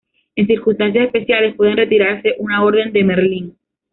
En circunstancias especiales, puede retirarse una orden de Merlín.